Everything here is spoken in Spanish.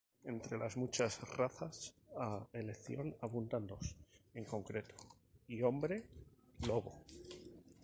Entre las muchas razas a elección abundan dos en concreto: y Hombre lobo.